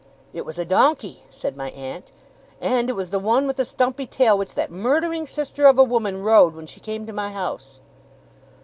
'It was a donkey,' said my aunt; 'and it was the one with the stumpy tail which that Murdering sister of a woman rode, when she came to my house.